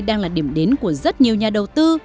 đang là điểm đến của rất nhiều nhà đầu tư